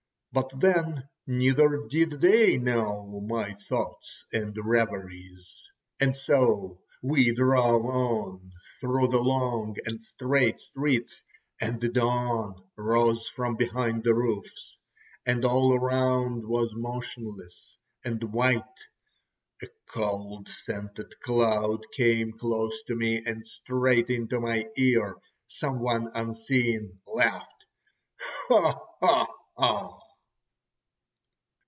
But then, neither did they know my thoughts and reveries. And so we drove on through the long and straight streets, and the dawn rose from behind the roofs, and all around was motionless and white. A cold scented cloud came close to me, and straight into my ear some one unseen laughed: "Ho! ho!